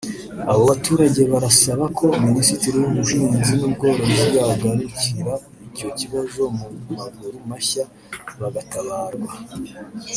Abo baturage barasaba ko Minisiteri y’Ubuhinzi n’Ubworozi yahagurukira icyo kibazo mu maguru mashya bagatabarwa